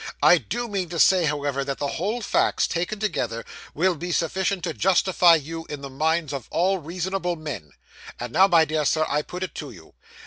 I do mean to say, however, that the whole facts, taken together, will be sufficient to justify you, in the minds of all reasonable men. And now, my dear Sir, I put it to you.